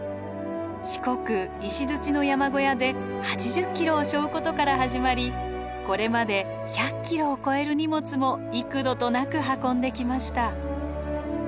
四国石の山小屋で８０ｋｇを背負うことから始まりこれまで１００ｋｇを超える荷物も幾度となく運んできました。